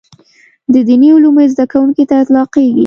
د دیني علومو زده کوونکي ته اطلاقېږي.